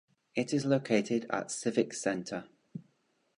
It is located at Civic Centre.